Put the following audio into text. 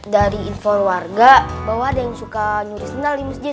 dari info warga bahwa ada yang suka nyuri sendal di masjid